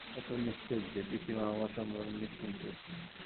এত নিস্তেজ যে, পিসিমা আমার সম্বন্ধে নিশ্চিন্তই ছিলেন।